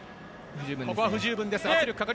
ここは不十分か。